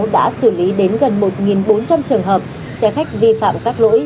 đã xử lý đến gần một bốn trăm linh trường hợp xe khách vi phạm các lỗi